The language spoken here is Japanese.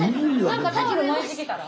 何かタオル巻いてきたら？